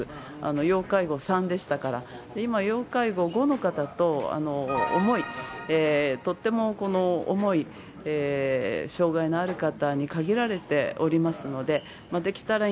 要介護３でしたから、今、要介護５の方と、重い、とっても重い障がいのある方に限られておりますので、できたらイ